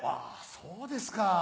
そうですか。